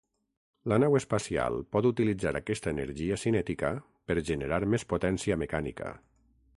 La nau espacial pot utilitzar aquesta energia cinètica per generar més potència mecànica.